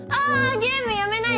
ゲームやめないで！